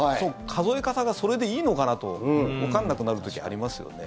数え方がそれでいいのかなとわからなくなる時ありますよね。